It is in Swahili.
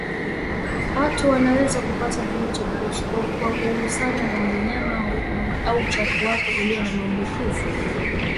Watu wanaweza kupata kimeta kwa kugusana na mnyama au uchafu wake ulio na maambukizi